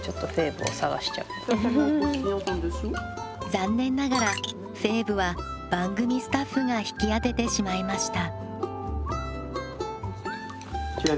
残念ながらフェーヴは番組スタッフが引き当ててしまいました。